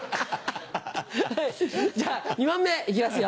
じゃあ２問目行きますよ。